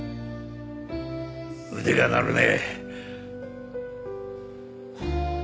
腕が鳴るね。